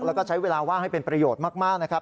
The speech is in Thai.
แล้วก็ใช้เวลาว่างให้เป็นประโยชน์มากนะครับ